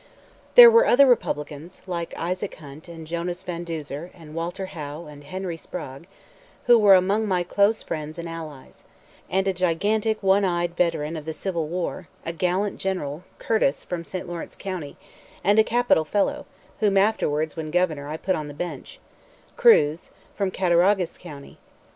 There were other Republicans, like Isaac Hunt and Jonas van Duzer and Walter Howe and Henry Sprague, who were among my close friends and allies; and a gigantic one eyed veteran of the Civil War, a gallant General, Curtis from St. Lawrence County; and a capital fellow, whom afterwards, when Governor, I put on the bench, Kruse, from Cattaraugus County.